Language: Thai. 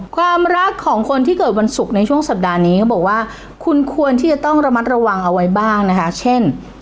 ความรักของคนที่เกิดวันศุกร์ในช่วงสัปดาห์นี้เขาบอกว่าคุณควรที่จะต้องระมัดระวังเอาไว้บ้างนะคะเช่น